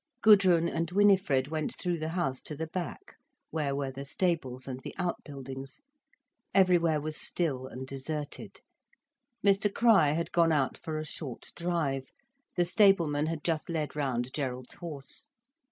Gudrun and Winifred went through the house to the back, where were the stables and the out buildings. Everywhere was still and deserted. Mr Crich had gone out for a short drive, the stableman had just led round Gerald's horse.